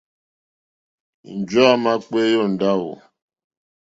Njɔ̀ɔ́ àmà kpééyá ó ndáwù.